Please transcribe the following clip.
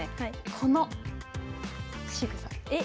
このしぐさ。